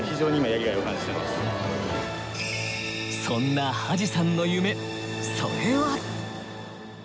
そんな土師さんの夢それは。